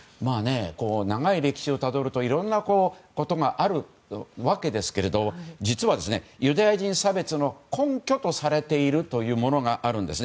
長い歴史をたどるといろんなことがあるわけですが実はユダヤ人差別の根拠とされているものがあるんです。